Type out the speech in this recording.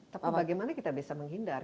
tapi bagaimana kita bisa menghindar